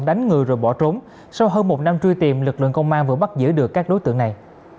đánh người rồi bỏ trốn sau hơn một năm truy tìm lực lượng công an vừa bắt giữ được các đối tượng này